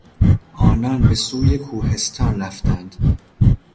آنان به سوی کوهستان رفتند.